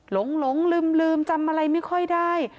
หลงลืมจำอะไรไม่ค่อยได้